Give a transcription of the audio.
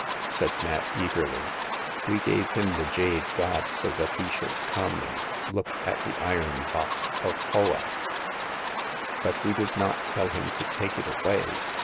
" said Nat, eagerly ;" we gave him the jade god so that he should come and look at the iron box of Poa ; but we did not tell him to take it away."